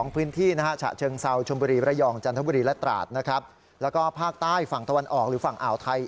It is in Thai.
ภาคอีสาน๑๒๐ของพื้นที่